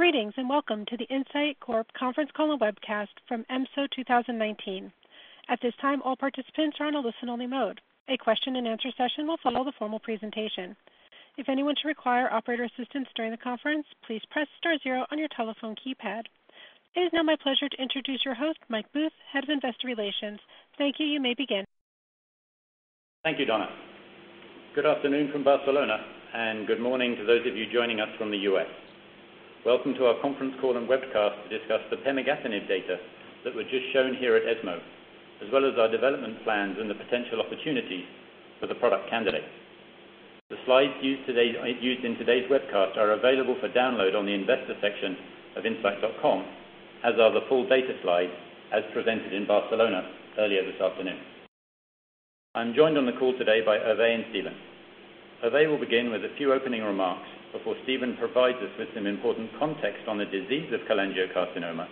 Greetings, and welcome to the Incyte Corporation conference call and webcast from ESMO 2019. At this time, all participants are on a listen only mode. A question and answer session will follow the formal presentation. If anyone should require operator assistance during the conference, please press star zero on your telephone keypad. It is now my pleasure to introduce your host, Mike Booth, Head of Investor Relations. Thank you. You may begin. Thank you, Donna. Good afternoon from Barcelona, and good morning to those of you joining us from the U.S. Welcome to our conference call and webcast to discuss the pemigatinib data that was just shown here at ESMO, as well as our development plans and the potential opportunities for the product candidate. The slides used in today's webcast are available for download on the investor section of incyte.com, as are the full data slides as presented in Barcelona earlier this afternoon. I'm joined on the call today by Hervé and Steven. Hervé will begin with a few opening remarks before Steven provides us with some important context on the disease of cholangiocarcinoma,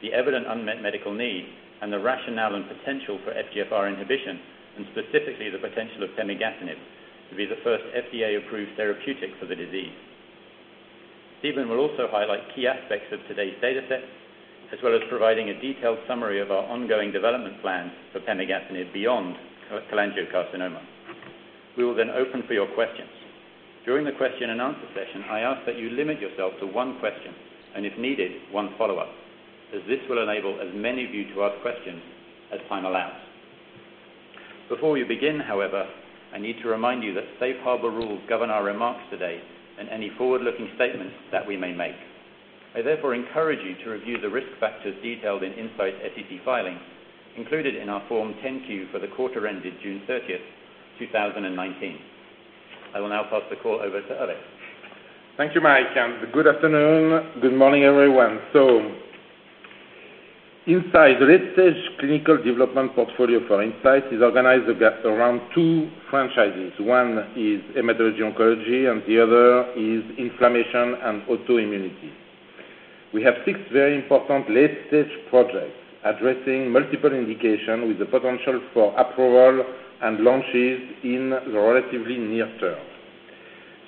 the evident unmet medical need, and the rationale and potential for FGFR inhibition, and specifically, the potential of pemigatinib to be the first FDA-approved therapeutic for the disease. Steven will also highlight key aspects of today's data set, as well as providing a detailed summary of our ongoing development plans for pemigatinib beyond cholangiocarcinoma. We will then open for your questions. During the question and answer session, I ask that you limit yourself to one question, and if needed, one follow-up, as this will enable as many of you to ask questions as time allows. Before we begin, however, I need to remind you that safe harbor rules govern our remarks today and any forward-looking statements that we may make. I therefore encourage you to review the risk factors detailed in Incyte's SEC filings, included in our Form 10-Q for the quarter ended June 30th, 2019. I will now pass the call over to Hervé. Thank you, Mike. Good afternoon, good morning, everyone. Incyte's late-stage clinical development portfolio for Incyte is organized around two franchises. One is hematology oncology and the other is inflammation and autoimmunity. We have six very important late-stage projects addressing multiple indications with the potential for approval and launches in the relatively near term.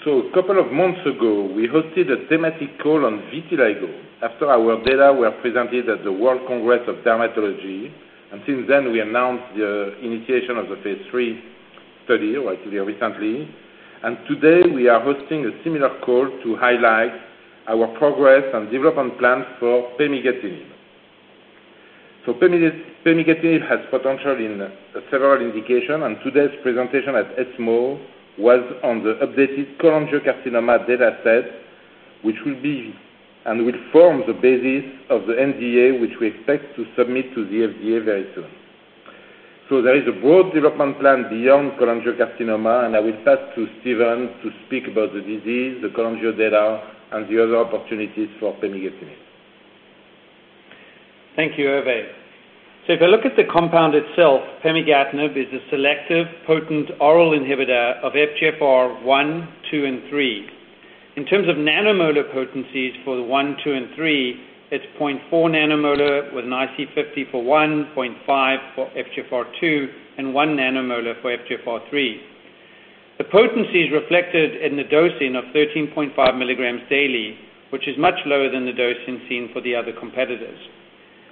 A couple of months ago, we hosted a thematic call on vitiligo after our data were presented at the World Congress of Dermatology. Since then, we announced the initiation of the phase III study relatively recently. Today, we are hosting a similar call to highlight our progress and development plans for pemigatinib. Pemigatinib has potential in several indications, and today's presentation at ESMO was on the updated cholangiocarcinoma data set, and will form the basis of the NDA, which we expect to submit to the FDA very soon. There is a broad development plan beyond cholangiocarcinoma, and I will pass to Steven to speak about the disease, the cholangio data, and the other opportunities for pemigatinib. Thank you, Hervé. If I look at the compound itself, pemigatinib is a selective potent oral inhibitor of FGFR 1, 2, and 3. In terms of nanomolar potencies for the 1, 2, and 3, it's 0.4 nanomolar with an IC50 for 1, 0.5 for FGFR2, and 1 nanomolar for FGFR3. The potency is reflected in the dosing of 13.5 milligrams daily, which is much lower than the dosing seen for the other competitors.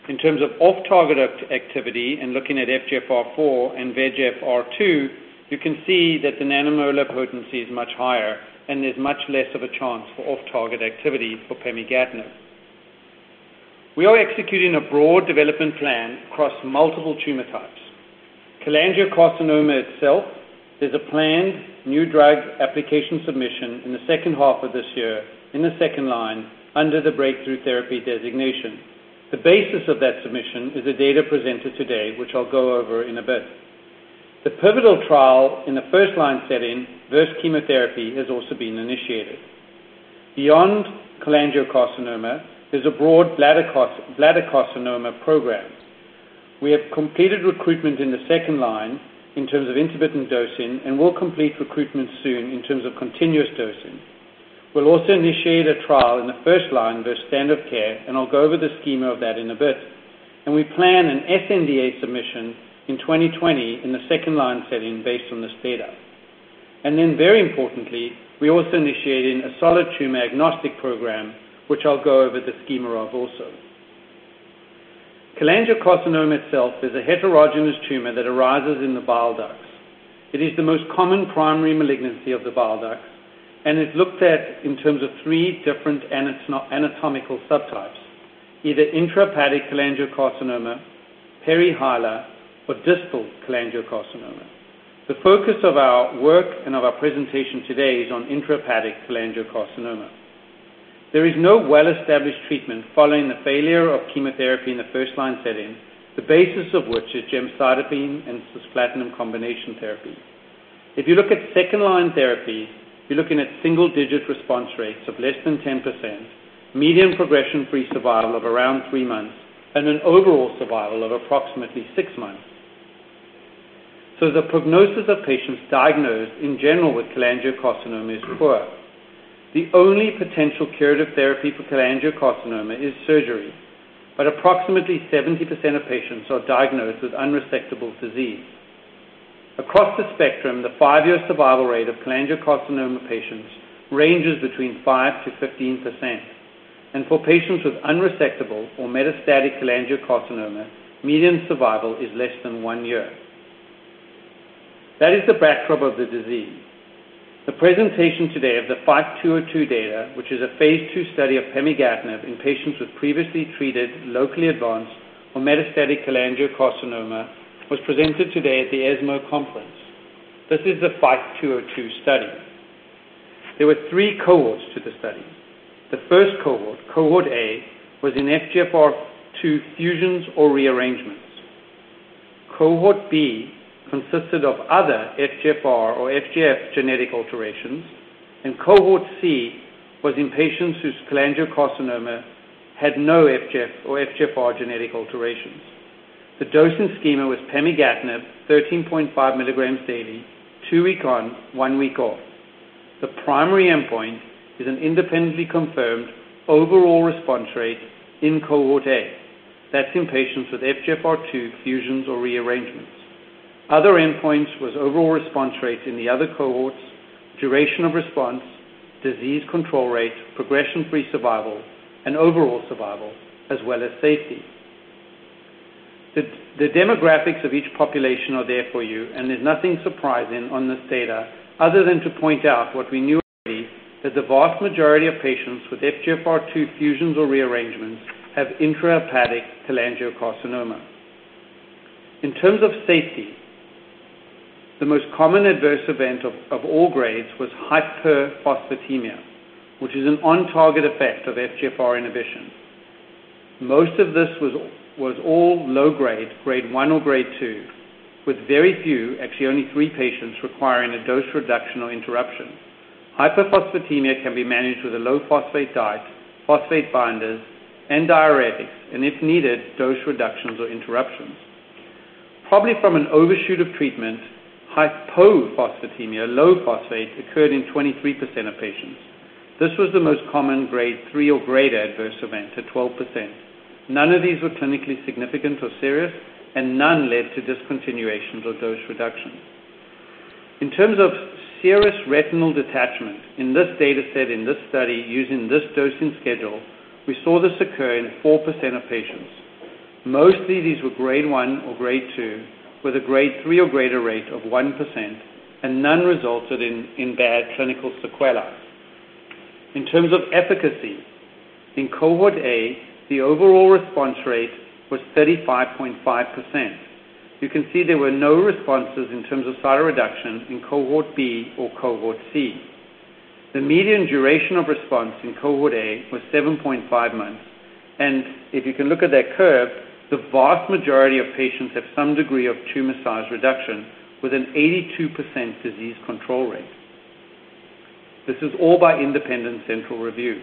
In terms of off-target activity and looking at FGFR4 and VEGFR2, you can see that the nanomolar potency is much higher and there's much less of a chance for off-target activity for pemigatinib. We are executing a broad development plan across multiple tumor types. Cholangiocarcinoma itself is a planned new drug application submission in the second half of this year in the second line under the breakthrough therapy designation. The basis of that submission is the data presented today, which I'll go over in a bit. The pivotal trial in the first line setting versus chemotherapy has also been initiated. Beyond cholangiocarcinoma, there's a broad bladder carcinoma program. We have completed recruitment in the second line in terms of intermittent dosing and will complete recruitment soon in terms of continuous dosing. We'll also initiate a trial in the first line versus standard of care, I'll go over the schema of that in a bit. We plan an sNDA submission in 2020 in the second line setting based on this data. Very importantly, we're also initiating a solid tumor agnostic program, which I'll go over the schema of also. Cholangiocarcinoma itself is a heterogeneous tumor that arises in the bile ducts. It is the most common primary malignancy of the bile duct, and is looked at in terms of three different anatomical subtypes, either intrahepatic cholangiocarcinoma, perihilar, or distal cholangiocarcinoma. The focus of our work and of our presentation today is on intrahepatic cholangiocarcinoma. There is no well-established treatment following the failure of chemotherapy in the first-line setting, the basis of which is gemcitabine and cisplatin combination therapy. If you look at second-line therapy, you're looking at single-digit response rates of less than 10%, median progression-free survival of around three months, and an overall survival of approximately six months. The prognosis of patients diagnosed in general with cholangiocarcinoma is poor. The only potential curative therapy for cholangiocarcinoma is surgery, but approximately 70% of patients are diagnosed with unresectable disease. Across the spectrum, the five-year survival rate of cholangiocarcinoma patients ranges between 5%-15%. For patients with unresectable or metastatic cholangiocarcinoma, median survival is less than 1 year. That is the backdrop of the disease. The presentation today of the FIGHT-202 data, which is a phase II study of pemigatinib in patients with previously treated locally advanced or metastatic cholangiocarcinoma, was presented today at the ESMO conference. This is the FIGHT-202 study. There were 3 cohorts to the study. The first cohort A, was in FGFR2 fusions or rearrangements. Cohort B consisted of other FGFR or FGF genetic alterations, and cohort C was in patients whose cholangiocarcinoma had no FGF or FGFR genetic alterations. The dosing schema was pemigatinib 13.5 milligrams daily, 2 week on, 1 week off. The primary endpoint is an independently confirmed overall response rate in cohort A. That's in patients with FGFR2 fusions or rearrangements. Other endpoints was overall response rates in the other cohorts, duration of response, disease control rate, progression-free survival, and overall survival, as well as safety. The demographics of each population are there for you, and there is nothing surprising on this data other than to point out what we knew already, that the vast majority of patients with FGFR2 fusions or rearrangements have intrahepatic cholangiocarcinoma. In terms of safety, the most common adverse event of all grades was hyperphosphatemia, which is an on-target effect of FGFR inhibition. Most of this was all low grade 1 or grade 2, with very few, actually only three patients, requiring a dose reduction or interruption. Hyperphosphatemia can be managed with a low phosphate diet, phosphate binders, and diuretics. If needed, dose reductions or interruptions. Probably from an overshoot of treatment, hypophosphatemia, low phosphate, occurred in 23% of patients. This was the most common grade 3 or greater adverse event at 12%. None of these were clinically significant or serious, and none led to discontinuations or dose reductions. In terms of serous retinal detachment in this data set, in this study, using this dosing schedule, we saw this occur in 4% of patients. Mostly, these were grade 1 or grade 2, with a grade 3 or greater rate of 1%, and none resulted in bad clinical sequelae. In terms of efficacy, in cohort A, the overall response rate was 35.5%. You can see there were no responses in terms of size reduction in cohort B or cohort C. The median duration of response in cohort A was 7.5 months, and if you can look at that curve, the vast majority of patients have some degree of tumor size reduction with an 82% disease control rate. This is all by independent central review.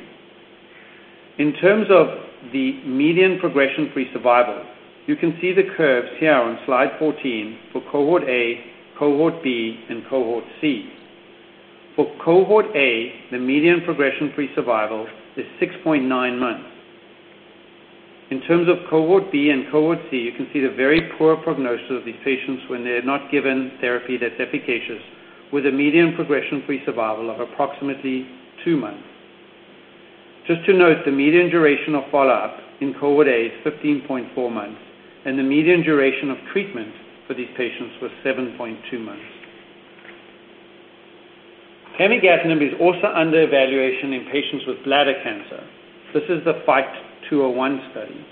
In terms of the median progression-free survival, you can see the curves here on slide 14 for cohort A, cohort B, and cohort C. For cohort A, the median progression-free survival is 6.5 months. In terms of cohort B and cohort C, you can see the very poor prognosis of these patients when they're not given therapy that's efficacious, with a median progression-free survival of approximately two months. Just to note, the median duration of follow-up in cohort A is 15.4 months, and the median duration of treatment for these patients was 7.2 months. Pemigatinib is also under evaluation in patients with bladder cancer. This is the FIGHT-201 study.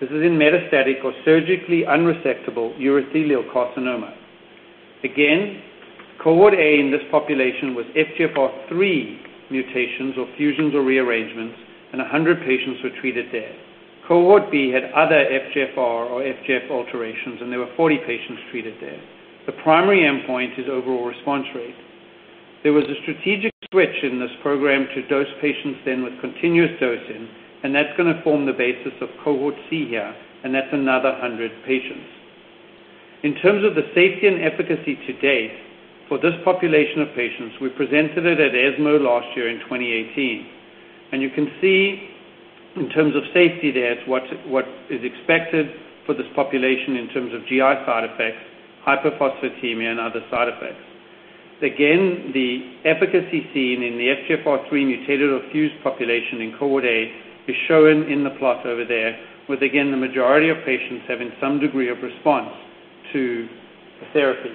This is in metastatic or surgically unresectable urothelial carcinoma. Cohort A in this population was FGFR3 mutations or fusions or rearrangements, and 100 patients were treated there. Cohort B had other FGFR or FGF alterations. There were 40 patients treated there. The primary endpoint is overall response rate. There was a strategic switch in this program to dose patients then with continuous dosing. That's going to form the basis of cohort C here. That's another 100 patients. In terms of the safety and efficacy to date, for this population of patients, we presented it at ESMO last year in 2018. You can see in terms of safety there is what is expected for this population in terms of GI side effects, hyperphosphatemia, and other side effects. Again, the efficacy seen in the FGFR3 mutated or fused population in cohort A is shown in the plot over there, with again, the majority of patients having some degree of response to the therapy.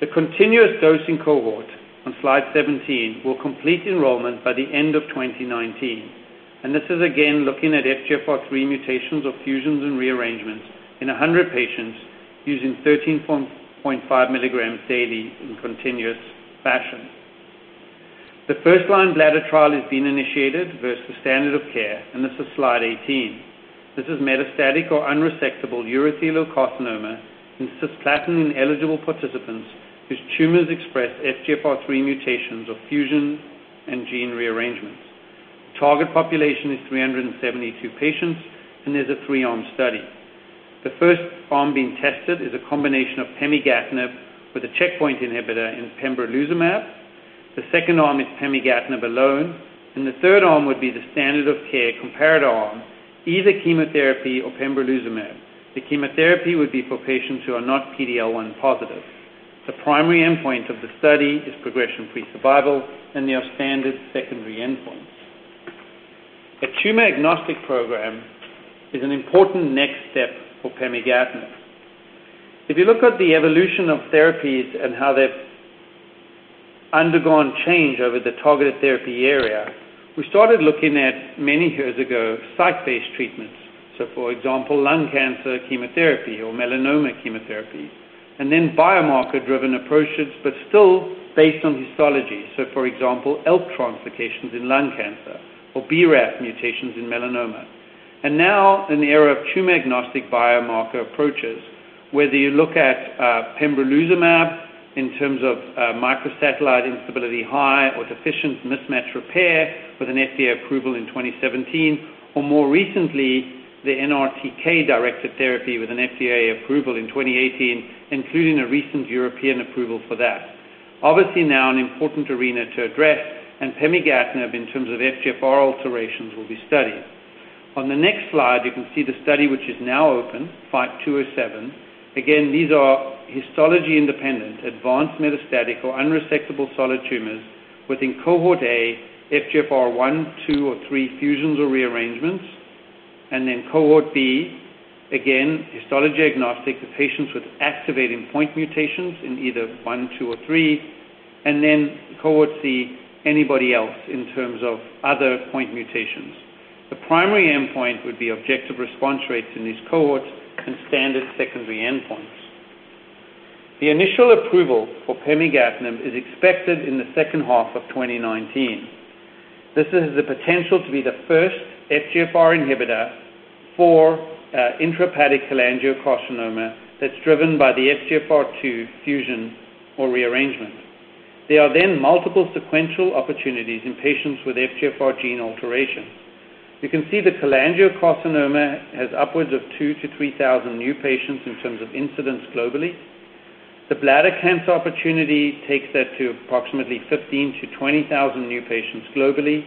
The continuous dosing cohort on slide 17 will complete enrollment by the end of 2019. This is again looking at FGFR3 mutations of fusions and rearrangements in 100 patients using 13.5 milligrams daily in continuous fashion. The first-line bladder trial is being initiated versus standard of care, and this is slide 18. This is metastatic or unresectable urothelial carcinoma in cisplatin-eligible participants whose tumors express FGFR3 mutations of fusions and gene rearrangements. Target population is 372 patients, and there's a three-arm study. The first arm being tested is a combination of pemigatinib with a checkpoint inhibitor in pembrolizumab. The second arm is pemigatinib alone, and the third arm would be the standard of care comparator arm, either chemotherapy or pembrolizumab. The chemotherapy would be for patients who are not PD-L1 positive. The primary endpoint of the study is progression-free survival and there are standard secondary endpoints. A tumor-agnostic program is an important next step for pemigatinib. If you look at the evolution of therapies and how they've undergone change over the targeted therapy area, we started looking at, many years ago, site-based treatments. For example, lung cancer chemotherapy or melanoma chemotherapy, then biomarker-driven approaches, still based on histology. For example, ALK translocations in lung cancer or BRAF mutations in melanoma. Now in the era of tumor-agnostic biomarker approaches, whether you look at pembrolizumab in terms of MSI-high or deficient mismatch repair with an FDA approval in 2017, or more recently, the NTRK-directed therapy with an FDA approval in 2018, including a recent European approval for that. Obviously now an important arena to address, pemigatinib in terms of FGFR alterations will be studied. On the next slide, you can see the study which is now open, FIGHT-207. These are histology independent, advanced metastatic or unresectable solid tumors within cohort A, FGFR 1, 2, or 3 fusions or rearrangements. Cohort B, again, histology agnostic, the patients with activating point mutations in either 1, 2, or 3. Cohort C, anybody else in terms of other point mutations. The primary endpoint would be objective response rates in these cohorts and standard secondary endpoints. The initial approval for pemigatinib is expected in the second half of 2019. This has the potential to be the first FGFR inhibitor for intrahepatic cholangiocarcinoma that's driven by the FGFR2 fusion or rearrangement. There are multiple sequential opportunities in patients with FGFR gene alterations. You can see the cholangiocarcinoma has upwards of 2,000-3,000 new patients in terms of incidence globally. The bladder cancer opportunity takes that to approximately 15,000-20,000 new patients globally.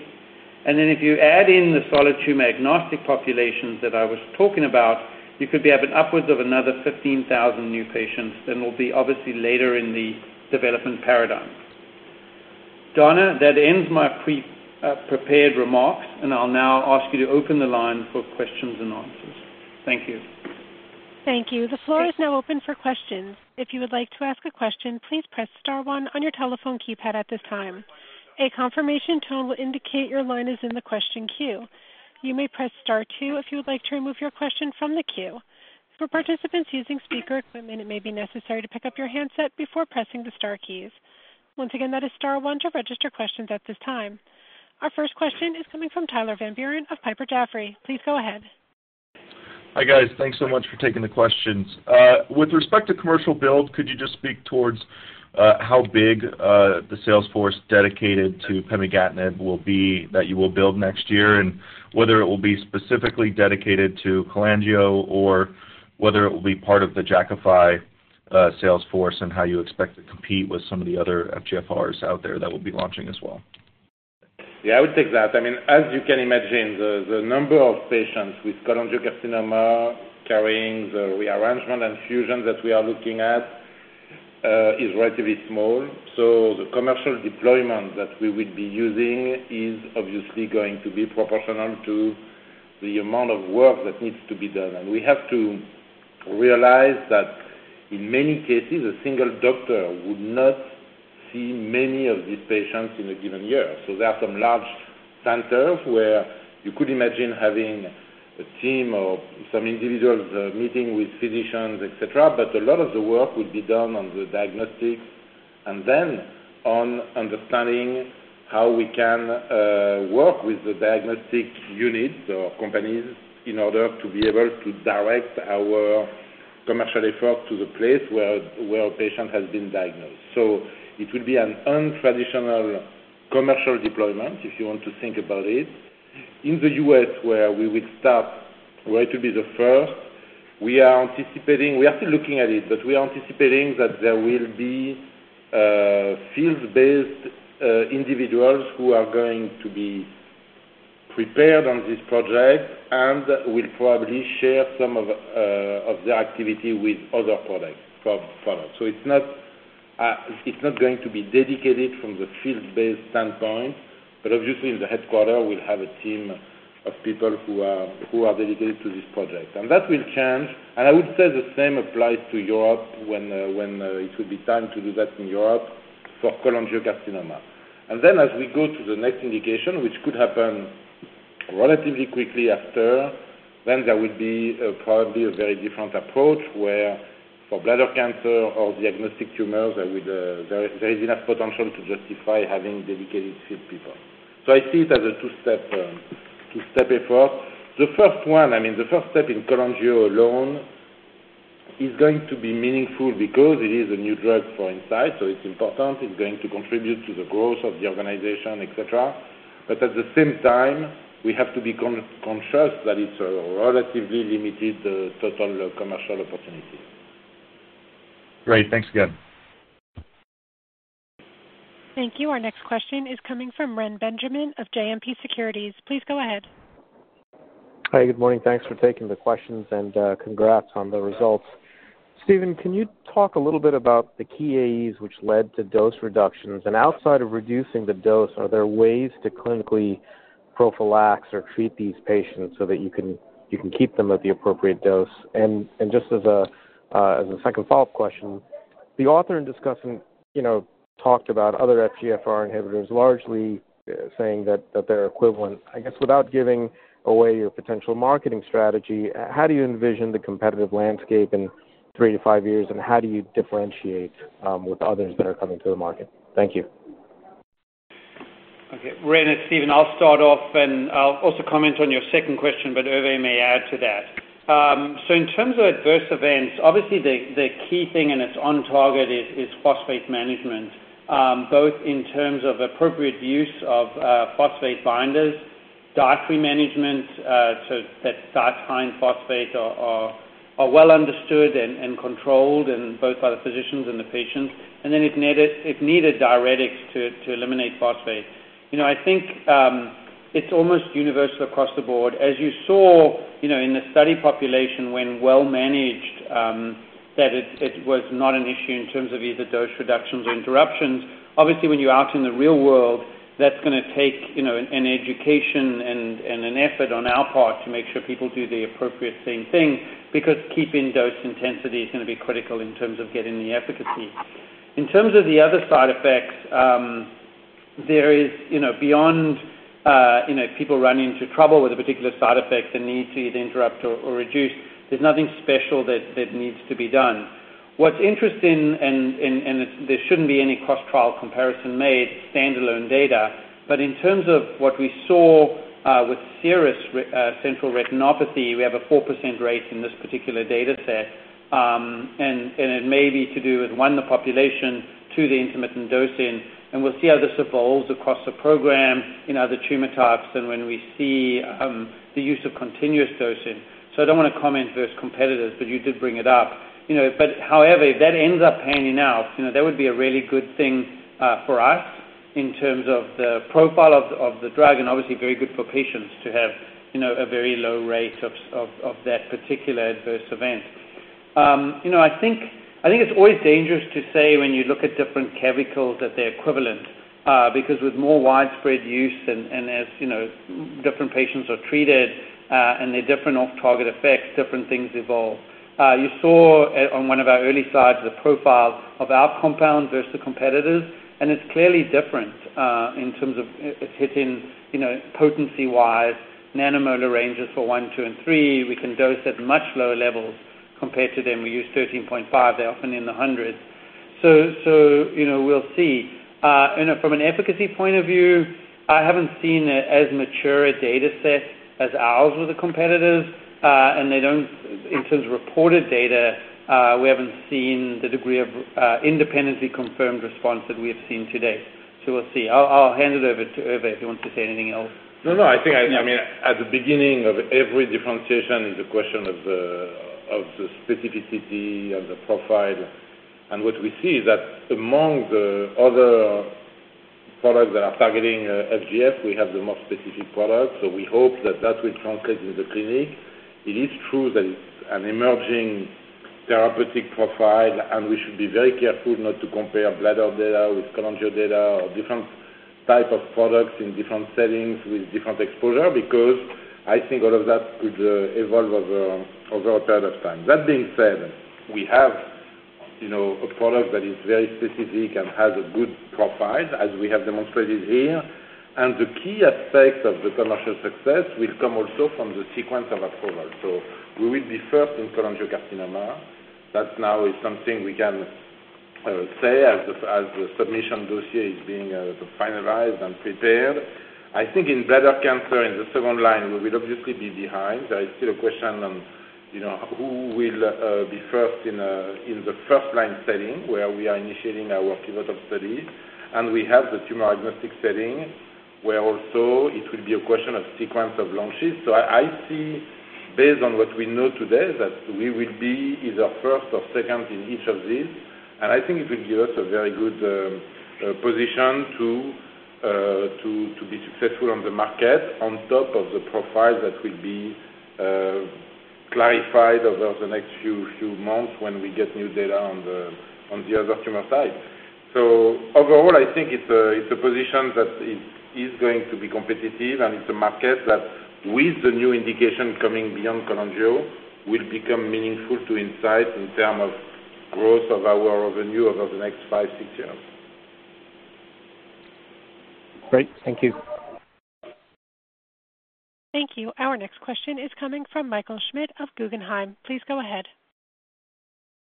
If you add in the solid tumor-agnostic populations that I was talking about, you could be having upwards of another 15,000 new patients that will be obviously later in the development paradigm. Donna, that ends my prepared remarks. I'll now ask you to open the line for questions and answers. Thank you. Thank you. The floor is now open for questions. If you would like to ask a question, please press star one on your telephone keypad at this time. A confirmation tone will indicate your line is in the question queue. You may press star two if you would like to remove your question from the queue. For participants using speaker equipment, it may be necessary to pick up your handset before pressing the star keys. Once again, that is star one to register questions at this time. Our first question is coming from Tyler Van Buren of Piper Jaffray. Please go ahead. Hi, guys. Thanks so much for taking the questions. With respect to commercial build, could you just speak towards how big the sales force dedicated to pemigatinib will be that you will build next year, and whether it will be specifically dedicated to cholangio or whether it will be part of the Jakafi sales force, and how you expect to compete with some of the other FGFRs out there that will be launching as well? Yeah, I will take that. As you can imagine, the number of patients with cholangiocarcinoma carrying the rearrangement and fusion that we are looking at is relatively small. The commercial deployment that we will be using is obviously going to be proportional to the amount of work that needs to be done. We have to realize that in many cases, a single doctor would not see many of these patients in a given year. There are some large centers where you could imagine having a team of some individuals meeting with physicians, et cetera, but a lot of the work will be done on the diagnostics and then on understanding how we can work with the diagnostic units or companies in order to be able to direct our commercial effort to the place where a patient has been diagnosed. It will be an untraditional commercial deployment, if you want to think about it. In the U.S., where we will start, where it will be the first, we are still looking at it, but we are anticipating that there will be fields-based individuals who are going to be prepared on this project and will probably share some of their activity with other products from [Phlow]. It's not going to be dedicated from the field-based standpoint, but obviously in the headquarter, we'll have a team of people who are dedicated to this project. That will change. I would say the same applies to Europe when it will be time to do that in Europe for cholangiocarcinoma. As we go to the next indication, which could happen relatively quickly after, there will be probably a very different approach where for bladder cancer or diagnostic tumors, there is enough potential to justify having dedicated field people. I see it as a two-step effort. The first step in cholangio alone is going to be meaningful because it is a new drug for Incyte, so it's important. It's going to contribute to the growth of the organization, et cetera. At the same time, we have to be conscious that it's a relatively limited total commercial opportunity. Great. Thanks again. Thank you. Our next question is coming from Reni Benjamin of JMP Securities. Please go ahead. Hi. Good morning. Thanks for taking the questions, and congrats on the results. Steven, can you talk a little bit about the key AEs which led to dose reductions? Outside of reducing the dose, are there ways to clinically prophylax or treat these patients so that you can keep them at the appropriate dose? Just as a second follow-up question, the author in discussion talked about other FGFR inhibitors, largely saying that they're equivalent. I guess without giving away your potential marketing strategy, how do you envision the competitive landscape in three to five years, and how do you differentiate with others that are coming to the market? Thank you. Okay. Reni, it's Steven. I'll start off, and I'll also comment on your second question, but Hervé may add to that. In terms of adverse events, obviously the key thing, and it's on target, is phosphate management both in terms of appropriate use of phosphate binders, dietary management, so that diet-high in phosphate are well understood and controlled, and both by the physicians and the patients, and then if needed, diuretics to eliminate phosphate. I think it's almost universal across the board. As you saw in the study population when well-managed, that it was not an issue in terms of either dose reductions or interruptions. Obviously, when you're out in the real world, that's going to take an education and an effort on our part to make sure people do the appropriate same thing, because keeping dose intensity is going to be critical in terms of getting the efficacy. In terms of the other side effects, beyond people run into trouble with a particular side effect, the need to either interrupt or reduce, there's nothing special that needs to be done. What's interesting, and there shouldn't be any cross-trial comparison made, standalone data. In terms of what we saw with serious central retinopathy, we have a 4% rate in this particular data set. It may be to do with, one, the population, two, the intermittent dosing. We'll see how this evolves across the program in other tumor types and when we see the use of continuous dosing. I don't want to comment versus competitors, but you did bring it up. However, if that ends up panning out, that would be a really good thing for us in terms of the profile of the drug and obviously very good for patients to have a very low rate of that particular adverse event. I think it's always dangerous to say when you look at different chemicals that they're equivalent, because with more widespread use and as different patients are treated, and there are different off-target effects, different things evolve. You saw on one of our early slides the profile of our compound versus the competitors, and it's clearly different in terms of it hitting potency-wise, nanomolar ranges for one, two, and three. We can dose at much lower levels compared to them. We use 13.5. They're often in the hundreds. We'll see. From an efficacy point of view, I haven't seen as mature a data set as ours with the competitors. In terms of reported data, we haven't seen the degree of independently confirmed response that we have seen today. We'll see. I'll hand it over to Hervé if he wants to say anything else. I think at the beginning of every differentiation is the question of the specificity of the profile. What we see is that among the other products that are targeting FGF, we have the most specific product. We hope that that will translate in the clinic. It is true that it's an emerging therapeutic profile, and we should be very careful not to compare bladder data with cholangio data or different type of products in different settings with different exposure, because I think all of that could evolve over a period of time. That being said, we have a product that is very specific and has a good profile as we have demonstrated here, and the key aspect of the commercial success will come also from the sequence of approval. We will be first in cholangiocarcinoma. That now is something we can say as the submission dossier is being finalized and prepared. I think in bladder cancer in the second line, we will obviously be behind. There is still a question on who will be first in the first-line setting where we are initiating our pivotal study. We have the tumor agnostic setting where also it will be a question of sequence of launches. I see based on what we know today, that we will be either first or second in each of these, and I think it will give us a very good position to be successful on the market on top of the profile that will be clarified over the next few months when we get new data on the other tumor types. Overall, I think it's a position that is going to be competitive, and it's a market that with the new indication coming beyond cholangio, will become meaningful to Incyte in terms of growth of our revenue over the next five, six years. Great. Thank you. Thank you. Our next question is coming from Michael Schmidt of Guggenheim. Please go ahead.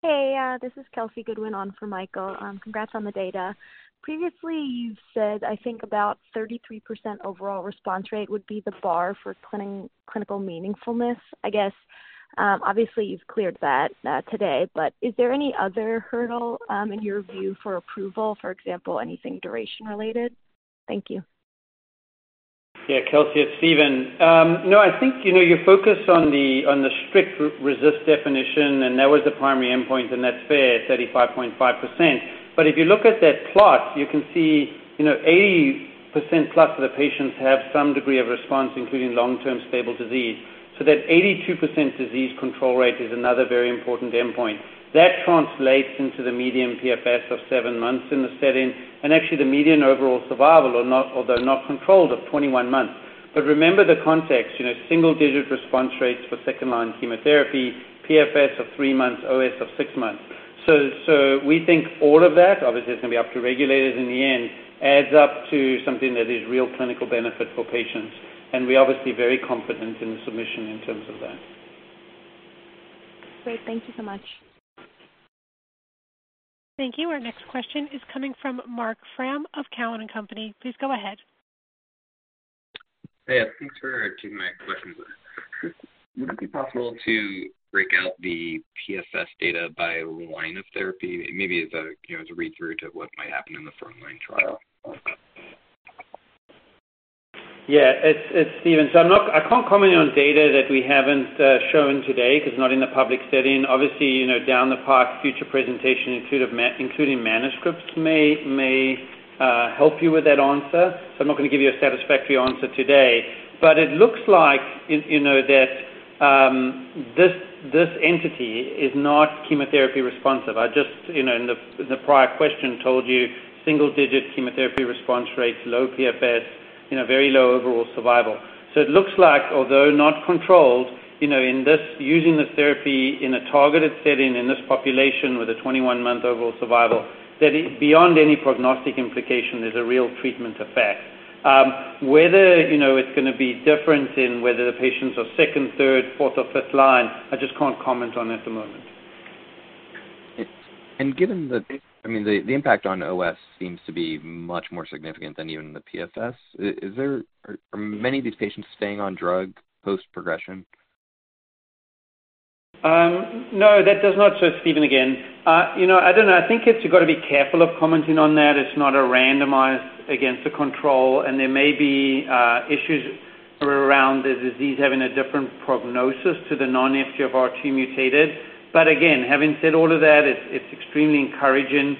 Hey, this is Kelsey Goodwin on for Michael. Congrats on the data. Previously you said, I think about 33% overall response rate would be the bar for clinical meaningfulness. I guess obviously you've cleared that today, is there any other hurdle in your view for approval? For example, anything duration related? Thank you. Yeah, Kelsey, it's Steven. I think you focus on the strict RECIST definition, and that was the primary endpoint, and that's fair at 35.5%. If you look at that plot, you can see 80%-plus of the patients have some degree of response, including long-term stable disease. That 82% disease control rate is another very important endpoint. That translates into the median PFS of seven months in the setting, and actually the median overall survival, although not controlled, of 21 months. Remember the context, single-digit response rates for second-line chemotherapy, PFS of three months, OS of six months. We think all of that, obviously, it's going to be up to regulators in the end, adds up to something that is real clinical benefit for patients, and we're obviously very confident in the submission in terms of that. Great. Thank you so much. Thank you. Our next question is coming from Marc Frahm of Cowen and Company. Please go ahead. Hey. Thanks for taking my questions. Would it be possible to break out the PFS data by line of therapy, maybe as a read-through to what might happen in the front-line trial? It's Steven. I can't comment on data that we haven't shown today, because it's not in the public setting. Obviously, down the park, future presentation, including manuscripts, may help you with that answer. I'm not going to give you a satisfactory answer today. It looks like that this entity is not chemotherapy responsive. I just, in the prior question, told you single-digit chemotherapy response rates, low PFS, very low overall survival. It looks like, although not controlled, in using the therapy in a targeted setting in this population with a 21-month overall survival, that beyond any prognostic implication, there's a real treatment effect. Whether it's going to be different in whether the patients are second, third, fourth, or fifth line, I just can't comment on at the moment. Given that the impact on OS seems to be much more significant than even the PFS, are many of these patients staying on drug post-progression? No, that does not. It's Steven again. I don't know. I think you've got to be careful of commenting on that. It's not a randomized against a control, and there may be issues around the disease having a different prognosis to the non-FGFR2 mutated. Again, having said all of that, it's extremely encouraging.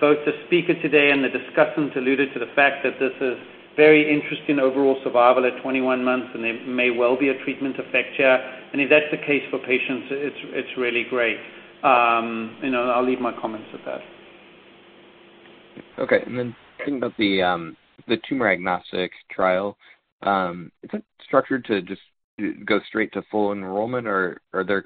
Both the speaker today and the discussants alluded to the fact that this is very interesting overall survival at 21 months, and there may well be a treatment effect here. If that's the case for patients, it's really great. I'll leave my comments at that. Okay. Thinking about the tumor-agnostic trial, is that structured to just go straight to full enrollment, or are there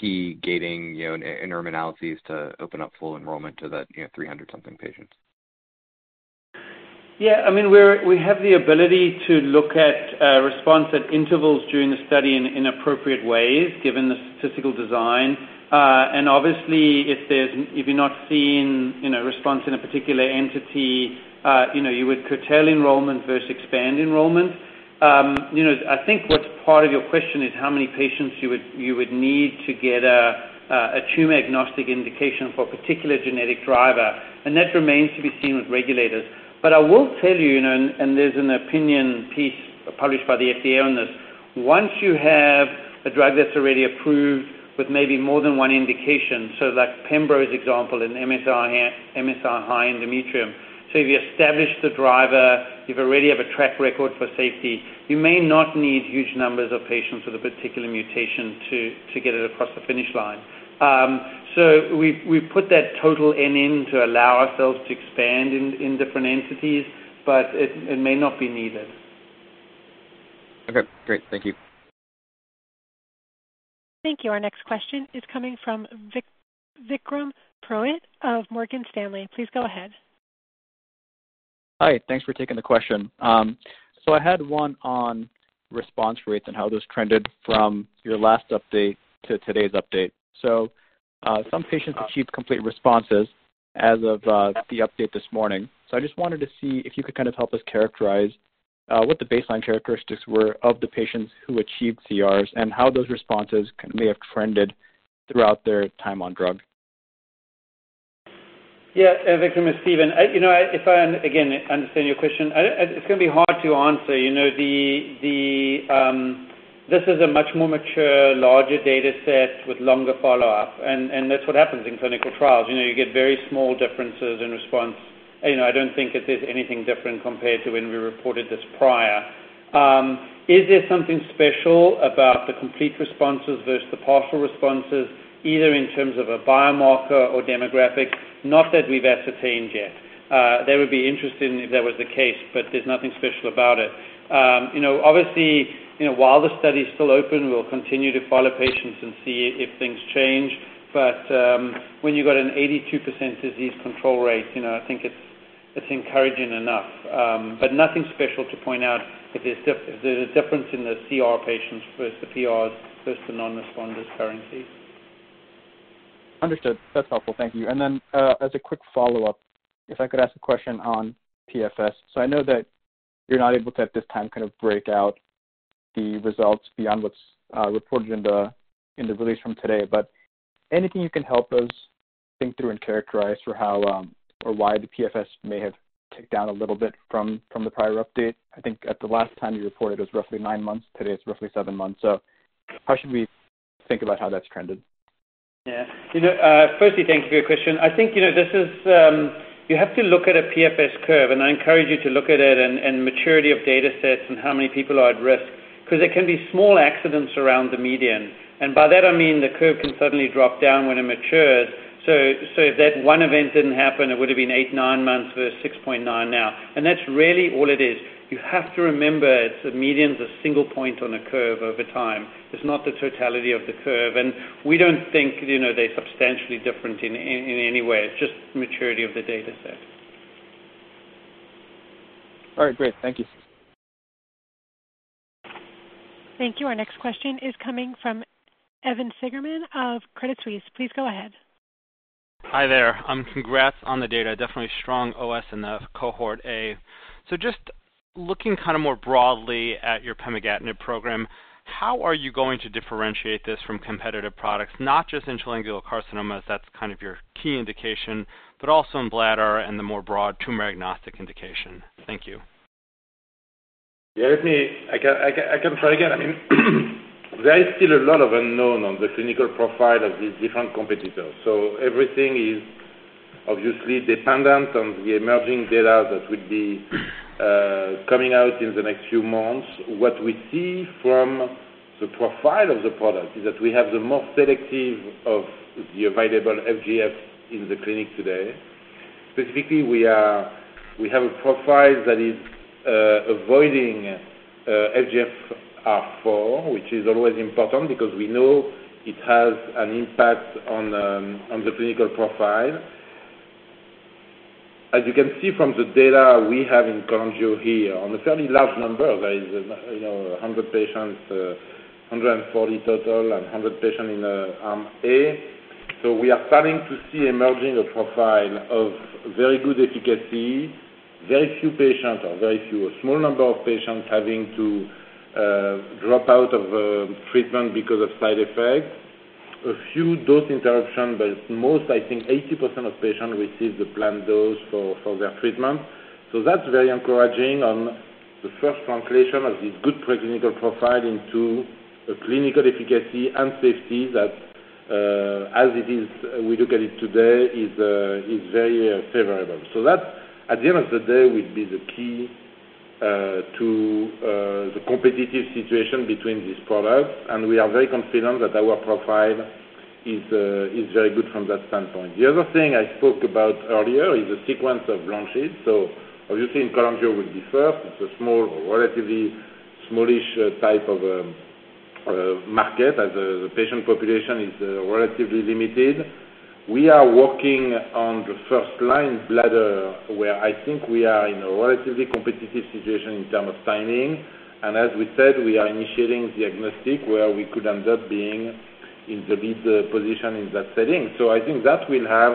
key gating interim analyses to open up full enrollment to that 300-something patients? Yeah. We have the ability to look at response at intervals during the study in appropriate ways, given the statistical design. Obviously, if you're not seeing response in a particular entity, you would curtail enrollment versus expand enrollment. I think what's part of your question is how many patients you would need to get a tumor-agnostic indication for a particular genetic driver. That remains to be seen with regulators. I will tell you, and there's an opinion piece published by the FDA on this. Once you have a drug that's already approved with maybe more than one indication, like pembro's example in MSI-high endometrium. If you establish the driver, you already have a track record for safety, you may not need huge numbers of patients with a particular mutation to get it across the finish line. We put that total N in to allow ourselves to expand in different entities, but it may not be needed. Okay, great. Thank you. Thank you. Our next question is coming from Vikram Purohit of Morgan Stanley. Please go ahead. Hi. Thanks for taking the question. I had one on response rates and how those trended from your last update to today's update. Some patients achieved complete responses as of the update this morning. I just wanted to see if you could help us characterize what the baseline characteristics were of the patients who achieved CRs and how those responses may have trended throughout their time on drug. Vikram, it's Steven. If I, again, understand your question, it's going to be hard to answer. This is a much more mature, larger data set with longer follow-up, and that's what happens in clinical trials. You get very small differences in response. I don't think that there's anything different compared to when we reported this prior. Is there something special about the complete responses versus the partial responses, either in terms of a biomarker or demographic? Not that we've ascertained yet. That would be interesting if that was the case. There's nothing special about it. Obviously, while the study is still open, we'll continue to follow patients and see if things change. When you've got an 82% disease control rate, I think it's encouraging enough. Nothing special to point out if there's a difference in the CR patients versus the PRs versus the non-responders currently. Understood. That's helpful. Thank you. As a quick follow-up, if I could ask a question on PFS. I know that you're not able to, at this time, break out the results beyond what's reported in the release from today, but anything you can help us think through and characterize for how or why the PFS may have ticked down a little bit from the prior update? I think at the last time you reported it was roughly nine months. Today, it's roughly seven months. How should we think about how that's trended? Yeah. Firstly, thank you for your question. I think you have to look at a PFS curve, and I encourage you to look at it and maturity of data sets and how many people are at risk, because there can be small accidents around the median. By that I mean the curve can suddenly drop down when it matures. If that one event didn't happen, it would've been eight, nine months versus 6.9 now. That's really all it is. You have to remember the median's a single point on a curve over time. It's not the totality of the curve. We don't think they're substantially different in any way. It's just maturity of the data set. All right, great. Thank you. Thank you. Our next question is coming from Evan Seigerman of Credit Suisse. Please go ahead. Hi there. Congrats on the data. Definitely strong OS in the cohort A. Just looking more broadly at your pemigatinib program, how are you going to differentiate this from competitive products, not just in cholangiocarcinoma, that's kind of your key indication, but also in bladder and the more broad tumor-agnostic indication? Thank you. Yeah. I can try again. There is still a lot of unknown on the clinical profile of these different competitors, so everything is obviously dependent on the emerging data that will be coming out in the next few months. What we see from the profile of the product is that we have the most selective of the available FGFs in the clinic today. Specifically, we have a profile that is avoiding FGFR4, which is always important because we know it has an impact on the clinical profile. As you can see from the data we have in cholangio here on a fairly large number, there is 100 patients, 140 total, and 100 patients in arm A. We are starting to see emerging a profile of very good efficacy. Very few patients, a small number of patients having to drop out of treatment because of side effects. A few dose interruption, most, I think 80% of patients receive the planned dose for their treatment. That's very encouraging on the first translation of this good preclinical profile into a clinical efficacy and safety that, as it is we look at it today, is very favorable. That, at the end of the day, will be the key to the competitive situation between these products. We are very confident that our profile is very good from that standpoint. The other thing I spoke about earlier is the sequence of launches. Obviously cholangio will be first. It's a relatively smallish type of market as the patient population is relatively limited. We are working on the first-line bladder, where I think we are in a relatively competitive situation in terms of timing. As we said, we are initiating the agnostic, where we could end up being in the lead position in that setting. I think that will have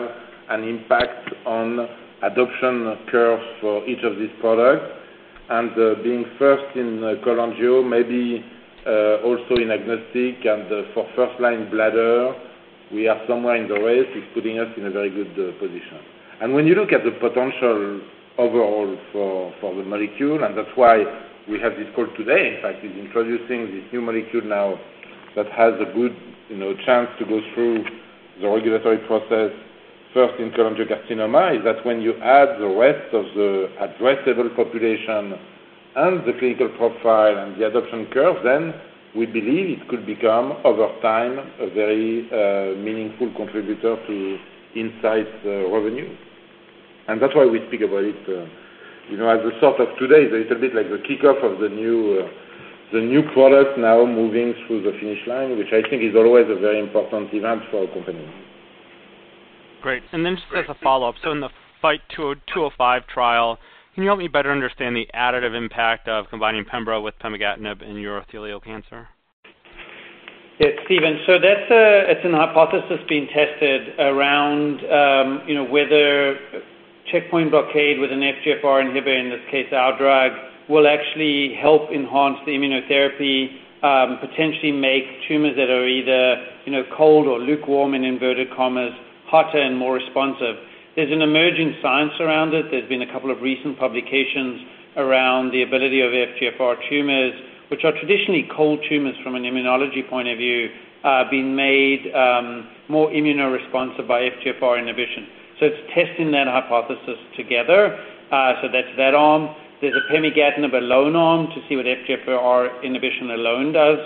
an impact on adoption curves for each of these products. Being first in cholangiocarcinoma, maybe also in agnostic and for first-line bladder, we are somewhere in the race, is putting us in a very good position. When you look at the potential overall for the molecule, and that's why we have this call today, in fact, is introducing this new molecule now that has a good chance to go through the regulatory process first in cholangiocarcinoma, is that when you add the rest of the addressable population and the clinical profile and the adoption curve, we believe it could become, over time, a very meaningful contributor to Incyte's revenue. That's why we speak about it as a sort of today, it's a little bit like the kickoff of the new product now moving through the finish line, which I think is always a very important event for a company. Great. Just as a follow-up, in the FIGHT-205 trial, can you help me better understand the additive impact of combining pembro with pemigatinib in urothelial cancer? Yeah, Steven. That's a hypothesis being tested around whether checkpoint blockade with an FGFR inhibitor, in this case our drug, will actually help enhance the immunotherapy, potentially make tumors that are either cold or lukewarm, in inverted commas, hotter and more responsive. There's an emerging science around it. There's been a couple of recent publications around the ability of FGFR tumors, which are traditionally cold tumors from an immunology point of view, being made more immunoresponsive by FGFR inhibition. It's testing that hypothesis together. That's that arm. There's a pemigatinib alone arm to see what FGFR inhibition alone does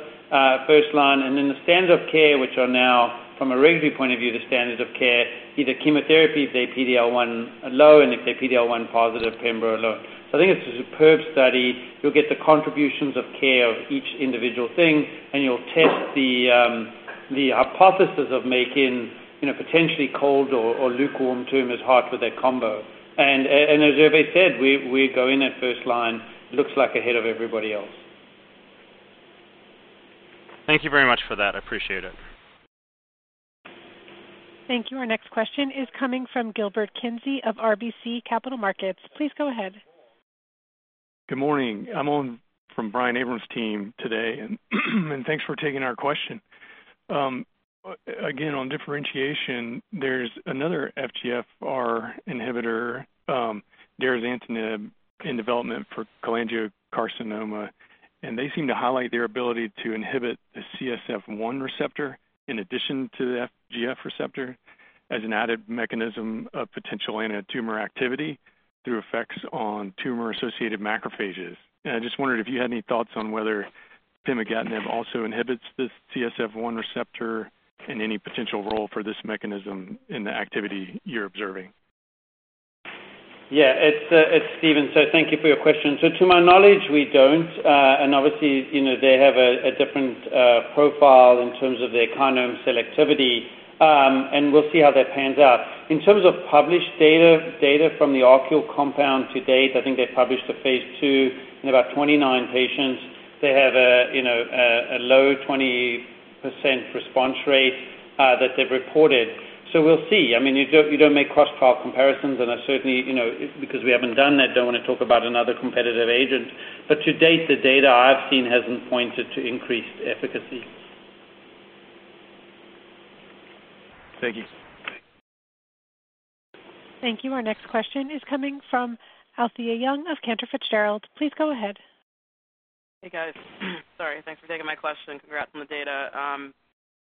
first line, and then the standard of care, which are now from a regulatory point of view, the standard of care, either chemotherapy if they're PD-L1 low, and if they're PD-L1 positive, pembro low. I think it's a superb study. You'll get the contributions of care of each individual thing, and you'll test the hypothesis of making potentially cold or lukewarm tumors hot with that combo. As Hervé said, we go in at first line, looks like ahead of everybody else. Thank you very much for that. I appreciate it. Thank you. Our next question is coming from Gilmore Kasioni of RBC Capital Markets. Please go ahead. Good morning. I'm on from Brian Abrahams' team today. Thanks for taking our question. Again, on differentiation, there's another FGFR inhibitor, derazantinib, in development for cholangiocarcinoma, and they seem to highlight their ability to inhibit the CSF1 receptor in addition to the FGF receptor as an added mechanism of potential anti-tumor activity through effects on tumor-associated macrophages. I just wondered if you had any thoughts on whether pemigatinib also inhibits this CSF1 receptor and any potential role for this mechanism in the activity you're observing. Yeah, it's Steven. Thank you for your question. To my knowledge, we don't. Obviously, they have a different profile in terms of their compound selectivity, and we'll see how that pans out. In terms of published data from the [auremolimab] compound to date, I think they published a phase II in about 29 patients. They have a low 20% response rate that they've reported. We'll see. You don't make cross-trial comparisons, certainly, because we haven't done that, don't want to talk about another competitive agent. To date, the data I've seen hasn't pointed to increased efficacy. Thank you. Thank you. Our next question is coming from Alethia Young of Cantor Fitzgerald. Please go ahead. Hey, guys. Sorry. Thanks for taking my question. Congrats on the data.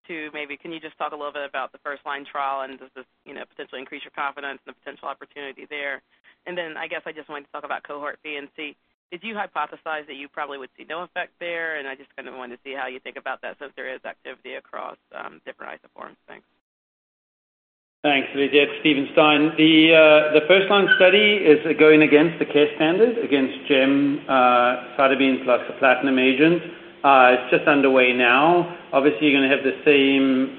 Two, maybe can you just talk a little bit about the first-line trial and does this potentially increase your confidence and the potential opportunity there? I guess I just wanted to talk about cohort B and C. Did you hypothesize that you probably would see no effect there? I just kind of wanted to see how you think about that since there is activity across different isoforms. Thanks. Thanks, Alethia. It's Steven Stein. The first-line study is going against the care standard, against gemcitabine plus the platinum agent. It's just underway now. Obviously, you're going to have the same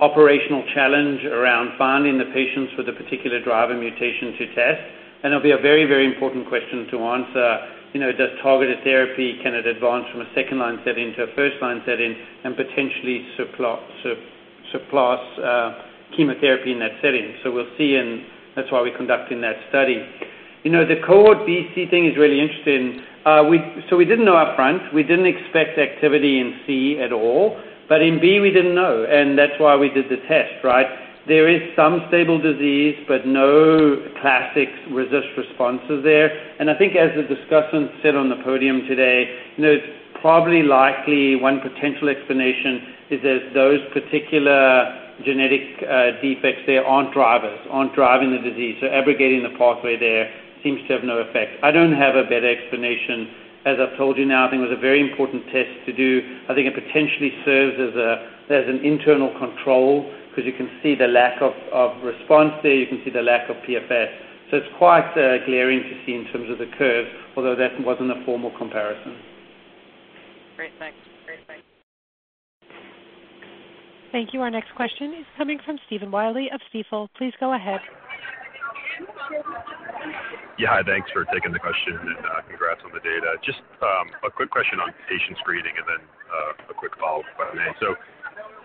operational challenge around finding the patients with a particular driver mutation to test. It'll be a very, very important question to answer. Does targeted therapy, can it advance from a second-line setting to a first-line setting and potentially surpass chemotherapy in that setting? We'll see, and that's why we're conducting that study. The cohort BC thing is really interesting. We didn't know up front. We didn't expect activity in C at all. In B, we didn't know, and that's why we did the test, right? There is some stable disease, but no classic RECIST responses there. I think as the discussant said on the podium today, it's probably likely one potential explanation is that those particular genetic defects there aren't drivers, aren't driving the disease. Abrogating the pathway there seems to have no effect. I don't have a better explanation. As I've told you now, I think it was a very important test to do. I think it potentially serves as an internal control because you can see the lack of response there, you can see the lack of PFS. It's quite glaring to see in terms of the curve, although that wasn't a formal comparison. Great. Thanks. Thank you. Our next question is coming from Stephen Willey of Stifel. Please go ahead. Yeah. Hi, thanks for taking the question, and congrats on the data. Just a quick question on patient screening and then a quick follow-up if I may.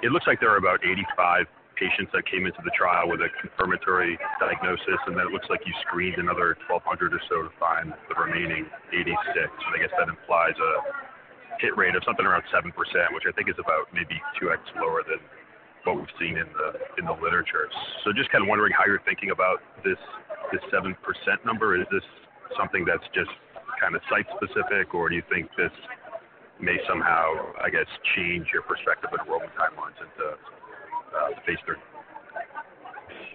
It looks like there are about 85 patients that came into the trial with a confirmatory diagnosis, and then it looks like you screened another 1,200 or so to find the remaining 86. I guess that implies a hit rate of something around 7%, which I think is about maybe 2x lower than what we've seen in the literature. Just kind of wondering how you're thinking about this 7% number. Is this something that's just kind of site specific, or do you think this may somehow, I guess, change your perspective on enrollment timelines into phase III?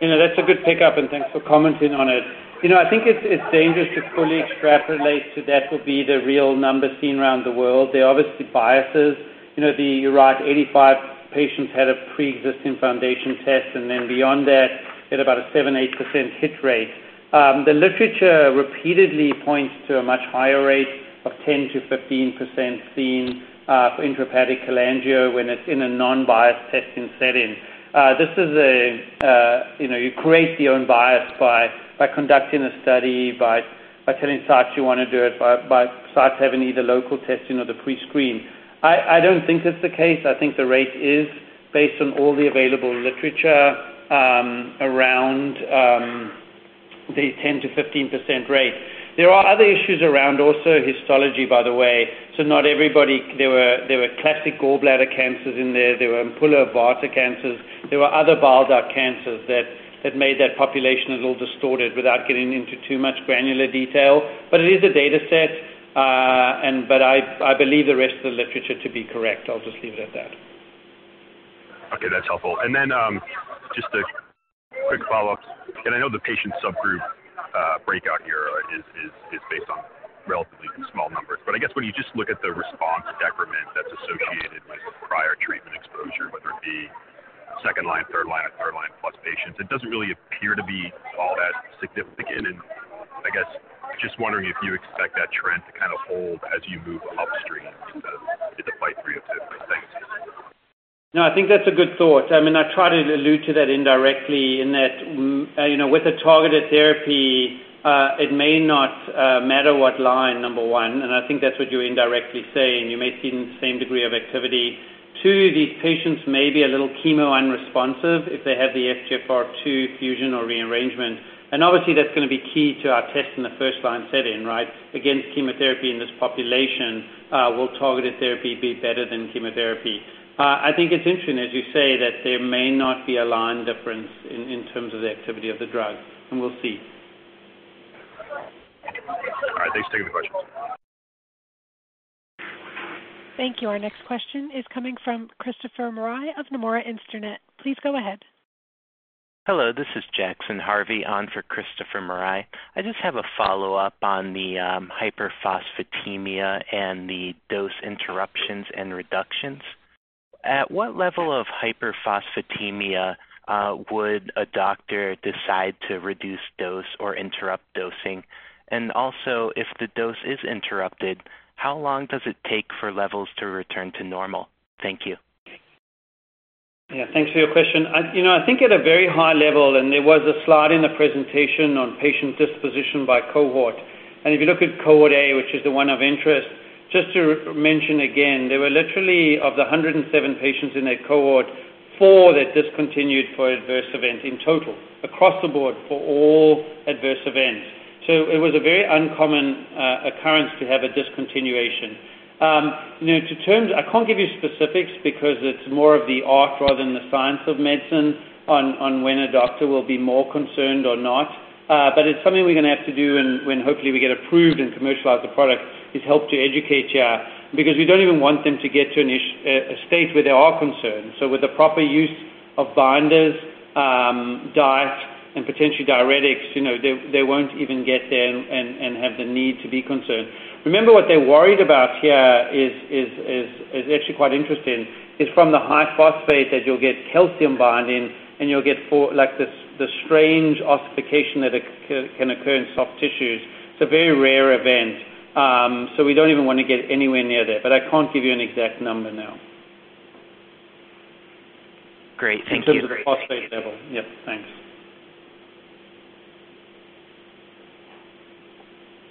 That's a good pickup, and thanks for commenting on it. I think it's dangerous to fully extrapolate to that would be the real number seen around the world. There are obviously biases. You're right, 85 patients had a preexisting Foundation test, and then beyond that, hit about a 7%-8% hit rate. The literature repeatedly points to a much higher rate of 10%-15% seen for intrahepatic cholangio when it's in a non-biased testing setting. You create your own bias by conducting a study, by telling sites you want to do it, by sites having either local testing or the pre-screen. I don't think that's the case. I think the rate is based on all the available literature around the 10%-15% rate. There are other issues around also histology, by the way. Not everybody-- There were classic gallbladder cancers in there. There were Ampulla of Vater cancers. There were other bile duct cancers that made that population a little distorted without getting into too much granular detail. It is a data set, but I believe the rest of the literature to be correct. I'll just leave it at that. Okay, that's helpful. Then just a quick follow-up. I know the patient subgroup breakout here is based on relatively small numbers. I guess when you just look at the response decrement that's associated with a prior treatment exposure, whether it be second-line, third-line, or third-line plus patients, it doesn't really appear to be all that significant. I guess, just wondering if you expect that trend to kind of hold as you move upstream into the FIGHT-302. Thanks. No, I think that's a good thought. I try to allude to that indirectly in that with a targeted therapy, it may not matter what line, number one, and I think that's what you're indirectly saying. You may see the same degree of activity. Two, these patients may be a little chemo unresponsive if they have the FGFR2 fusion or rearrangement. Obviously, that's going to be key to our test in the first-line setting. Against chemotherapy in this population, will targeted therapy be better than chemotherapy? I think it's interesting, as you say, that there may not be a line difference in terms of the activity of the drug, and we'll see. All right. Thanks for taking the questions. Thank you. Our next question is coming from Christopher Marai of Nomura Instinet. Please go ahead. Hello, this is Jackson Harvey on for Christopher Marai. I just have a follow-up on the hyperphosphatemia and the dose interruptions and reductions. At what level of hyperphosphatemia would a doctor decide to reduce dose or interrupt dosing? Also, if the dose is interrupted, how long does it take for levels to return to normal? Thank you. Yeah, thanks for your question. I think at a very high level, there was a slide in the presentation on patient disposition by cohort. If you look at cohort A, which is the one of interest, just to mention again, there were literally, of the 107 patients in that cohort, four that discontinued for adverse events in total, across the board for all adverse events. It was a very uncommon occurrence to have a discontinuation. I can't give you specifics because it's more of the art rather than the science of medicine on when a doctor will be more concerned or not. It's something we're going to have to do when hopefully we get approved and commercialize the product, is help to educate you. We don't even want them to get to a state where they are concerned. With the proper use of binders, diet, and potentially diuretics, they won't even get there and have the need to be concerned. Remember, what they're worried about here is actually quite interesting, is from the high phosphate that you'll get calcium binding, and you'll get the strange ossification that can occur in soft tissues. It's a very rare event, so we don't even want to get anywhere near there. I can't give you an exact number now. Great. Thank you. In terms of the phosphate level. Yeah. Thanks.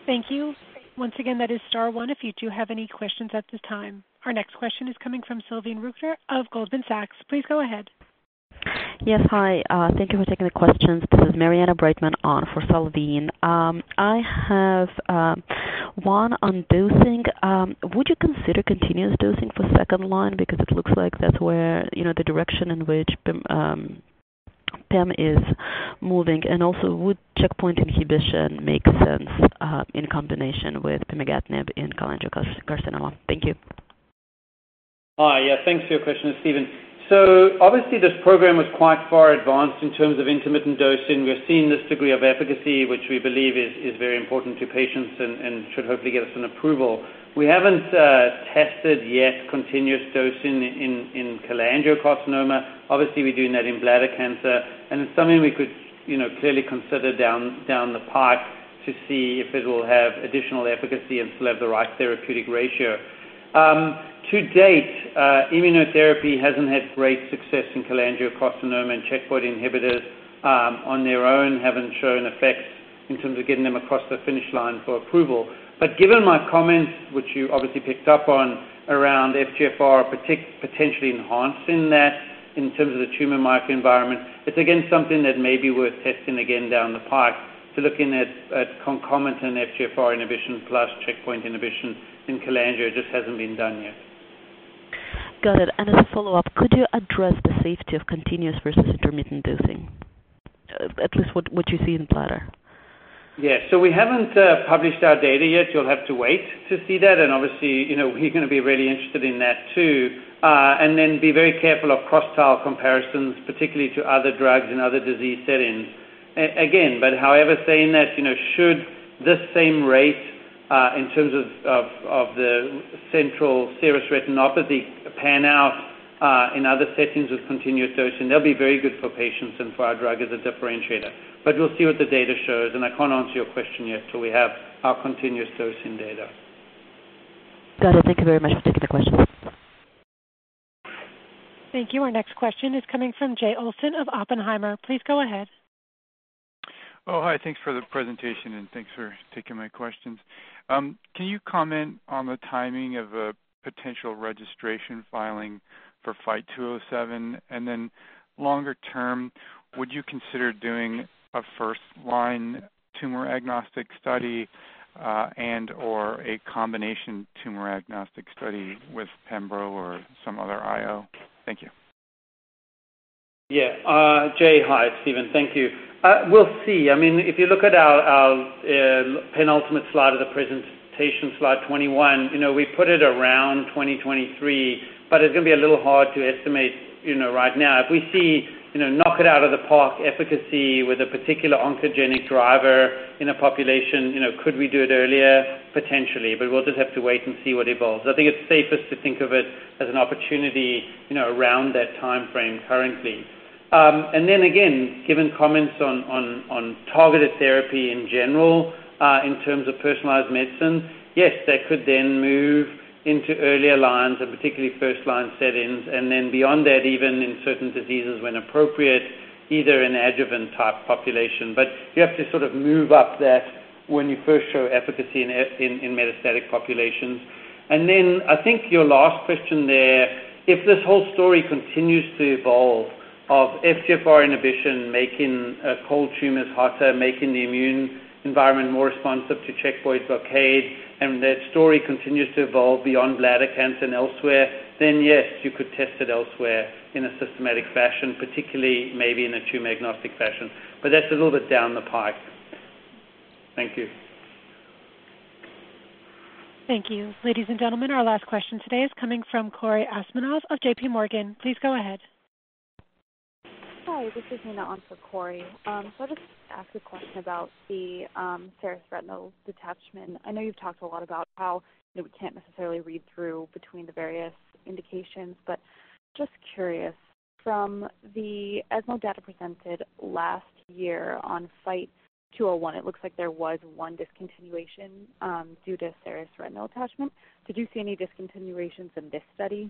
Thank you. Once again, that is star one if you do have any questions at this time. Our next question is coming from Salveen Richter of Goldman Sachs. Please go ahead. Yes, hi. Thank you for taking the questions. This is Maryana Breitman on for Salveen. I have one on dosing. Would you consider continuous dosing for second line? It looks like that's the direction in which PEM is moving. Would checkpoint inhibition make sense in combination with pemigatinib in cholangiocarcinoma? Thank you. Hi. Yeah, thanks for your question. It's Steven. Obviously this program was quite far advanced in terms of intermittent dosing. We are seeing this degree of efficacy, which we believe is very important to patients and should hopefully get us an approval. We haven't tested yet continuous dosing in cholangiocarcinoma. Obviously, we're doing that in bladder cancer, it's something we could clearly consider down the pipe to see if it will have additional efficacy and still have the right therapeutic ratio. To date, immunotherapy hasn't had great success in cholangiocarcinoma, checkpoint inhibitors on their own haven't shown effects in terms of getting them across the finish line for approval. Given my comments, which you obviously picked up on, around FGFR potentially enhancing that in terms of the tumor microenvironment, it's again something that may be worth testing again down the pipe to looking at concomitant FGFR inhibition plus checkpoint inhibition in cholangio. It just hasn't been done yet. Got it. As a follow-up, could you address the safety of continuous versus intermittent dosing, at least what you see in bladder? We haven't published our data yet. You'll have to wait to see that. Obviously, we're going to be really interested in that too. Be very careful of cross-trial comparisons, particularly to other drugs and other disease settings. However, saying that, should this same rate in terms of the central serous retinopathy pan out in other settings with continuous dosing, they'll be very good for patients and for our drug as a differentiator. We'll see what the data shows, and I can't answer your question yet till we have our continuous dosing data. Got it. Thank you very much for taking the question. Thank you. Our next question is coming from Jay Olson of Oppenheimer. Please go ahead. Oh, hi. Thanks for the presentation, and thanks for taking my questions. Can you comment on the timing of a potential registration filing for FIGHT-207? Longer term, would you consider doing a first-line tumor agnostic study and/or a combination tumor agnostic study with pembro or some other IO? Thank you. Yeah. Jay, hi. It's Steven. Thank you. We'll see. If you look at our penultimate slide of the presentation, slide 21, we put it around 2023, but it's going to be a little hard to estimate right now. If we see knock-it-out-of-the-park efficacy with a particular oncogenic driver in a population, could we do it earlier? Potentially, but we'll just have to wait and see what evolves. I think it's safest to think of it as an opportunity around that timeframe currently. Again, given comments on targeted therapy in general in terms of personalized medicine, yes, that could then move into earlier lines and particularly first-line settings, and then beyond that, even in certain diseases when appropriate, either in adjuvant type population. You have to sort of move up that when you first show efficacy in metastatic populations. I think your last question there, if this whole story continues to evolve of FGFR inhibition making cold tumors hotter, making the immune environment more responsive to checkpoint blockade, and that story continues to evolve beyond bladder cancer and elsewhere, then yes, you could test it elsewhere in a systematic fashion, particularly maybe in a tumor-agnostic fashion. That's a little bit down the pipe. Thank you. Thank you. Ladies and gentlemen, our last question today is coming from Cory Kasimov of JPMorgan. Please go ahead. Hi, this is Nina on for Cory. I'll just ask a question about the serious retinal detachment. I know you've talked a lot about how we can't necessarily read through between the various indications, just curious, from the ESMO data presented last year on FIGHT-201, it looks like there was one discontinuation due to serious retinal detachment. Did you see any discontinuations in this study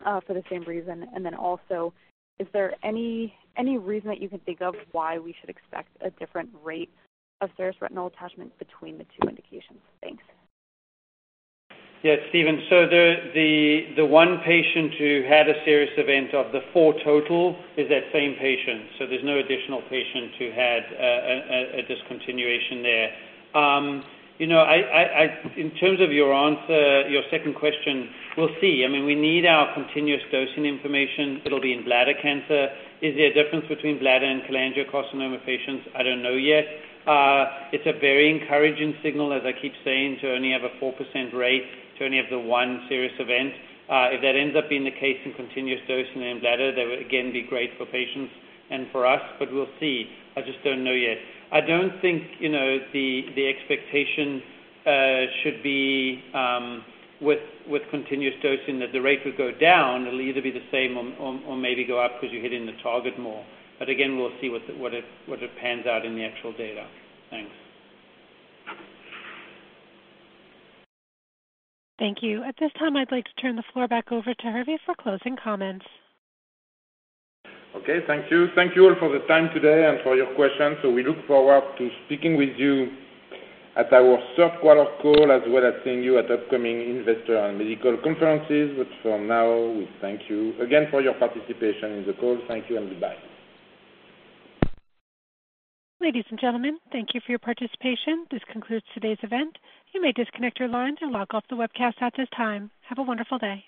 for the same reason? Also, is there any reason that you can think of why we should expect a different rate of serious retinal detachment between the two indications? Thanks. Yeah. It's Steven. The one patient who had a serious event of the four total is that same patient. There's no additional patient who had a discontinuation there. In terms of your second question, we'll see. We need our continuous dosing information. It'll be in bladder cancer. Is there a difference between bladder and cholangiocarcinoma patients? I don't know yet. It's a very encouraging signal, as I keep saying, to only have a 4% rate, to only have the one serious event. If that ends up being the case in continuous dosing in bladder, that would again be great for patients and for us, but we'll see. I just don't know yet. I don't think the expectation should be with continuous dosing that the rate would go down. It'll either be the same or maybe go up because you're hitting the target more. Again, we'll see what it pans out in the actual data. Thanks. Thank you. At this time, I'd like to turn the floor back over to Hervé for closing comments. Okay. Thank you. Thank you all for the time today and for your questions. We look forward to speaking with you at our third quarter call, as well as seeing you at upcoming investor and medical conferences. For now, we thank you again for your participation in the call. Thank you and goodbye. Ladies and gentlemen, thank you for your participation. This concludes today's event. You may disconnect your lines and log off the webcast at this time. Have a wonderful day.